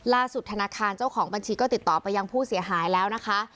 ธนาคารเจ้าของบัญชีก็ติดต่อไปยังผู้เสียหายแล้วนะคะ